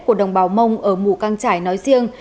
của đồng bào mông ở mù căng trải nói riêng